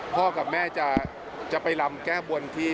พ่อกับแม่จะไปลำแก้บนที่